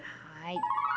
はい。